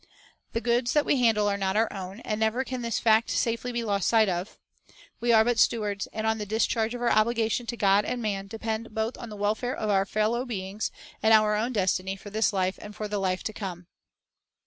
The goods that we handle are not our own, and never can this fact safely be lost sight of. We are but stewards, and on the discharge of our obli gation to God and man depend both the welfare of our fellow beings and our own destiny for this life and for the life to come.